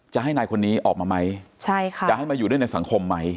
จะให้นายคนนี้ออกมาไหมใช่ค่ะจะให้มาอยู่ด้วยในสังคมไหม